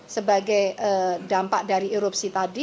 sebagai dampak dari erupsi tadi